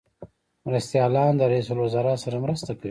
مرستیالان د رئیس الوزرا سره مرسته کوي